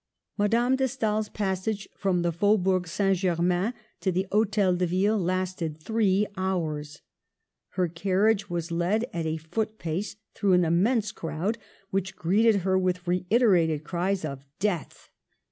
Madame de Stael's passage from the Fau bourg Saint Germain to the Hotel de Ville lasted three hours. Her carriage was led at a foot pace through' an immense crowd, which greeted her with reiterated cries of " Death